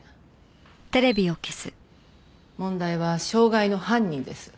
問題は傷害の犯人です。